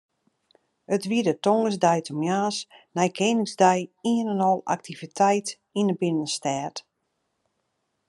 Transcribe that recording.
It wie de tongersdeitemoarns nei Keningsdei ien en al aktiviteit yn de binnenstêd.